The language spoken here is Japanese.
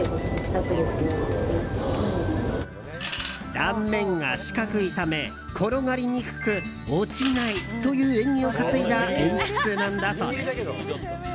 断面が四角いため転がりにくく落ちないという縁起を担いだ鉛筆なんだそうです。